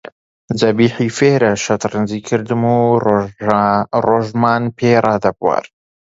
زەبیحی فێرە شەترەنجی کردم و ڕۆژمان پێ ڕادەبوارد